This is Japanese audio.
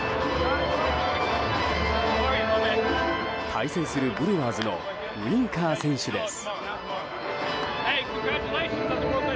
対戦するブルワーズのウインカー選手です。